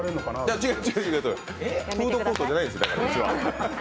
違う違う、フードコートじゃないですから、うちは。